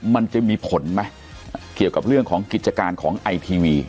มันจะมีผลไหมเกี่ยวกับเรื่องของกิจการของไอทีวี